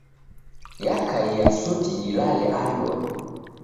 Yakaia suti dilale andonyi.